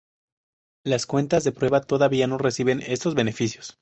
Las cuentas de prueba todavía no reciben estos beneficios.